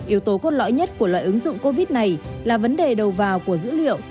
yếu tố cốt lõi nhất của loại ứng dụng covid này là vấn đề đầu vào của dữ liệu